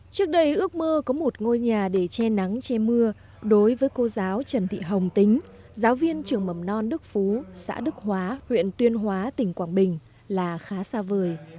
trước đây ước mơ có một ngôi nhà để che nắng che mưa đối với cô giáo trần thị hồng tính giáo viên trường mầm non đức phú xã đức hóa huyện tuyên hóa tỉnh quảng bình là khá xa vời